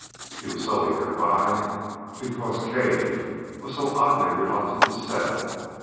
He was so eager to buy, because Cave was so oddly reluctant to sell.